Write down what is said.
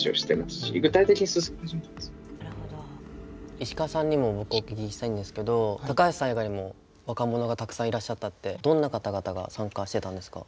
石川さんにも僕お聞きしたいんですけど高橋さん以外にも若者がたくさんいらっしゃったってどんな方々が参加してたんですか？